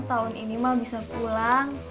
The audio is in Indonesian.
tahun ini mah bisa pulang